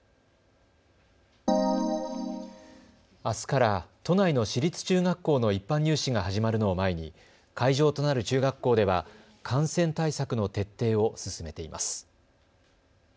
あすから、都内の私立中学校の一般入試が始まるのを前に会場となる中学校では感染対策の徹底を進めています。